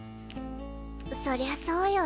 そりゃあそうよね。